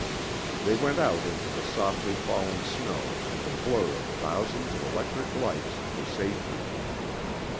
They went out into the softly falling snow and the blur of thousands of electric lights to safety.